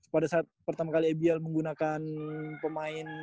pada saat pertama kali abl menggunakan pemain